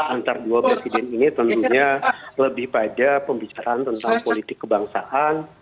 antara dua presiden ini tentunya lebih pada pembicaraan tentang politik kebangsaan